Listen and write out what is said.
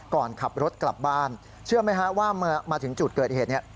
ก่อนขับรถกลับบ้านเชื่อไหมฮะว่ามาถึงจุดเกิดเหตุเนี่ย